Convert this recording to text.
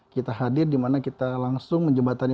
kita hadir dimana kita langsung menjembatani